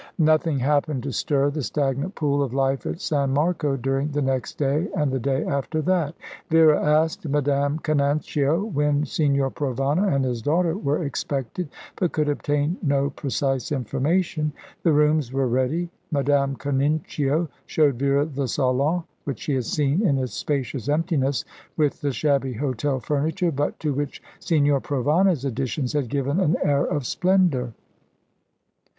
Nothing happened to stir the stagnant pool of life at San Marco during the next day and the day after that. Vera asked Madame Canincio when Signor Provana and his daughter were expected, but could obtain no precise information. The rooms were ready. Madame Canincio showed Vera the salon, which she had seen in its spacious emptiness, with the shabby hotel furniture, but to which Signor Provana's additions had given an air of splendour.